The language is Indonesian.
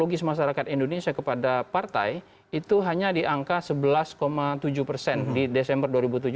logis masyarakat indonesia kepada partai itu hanya di angka sebelas tujuh persen di desember dua ribu tujuh belas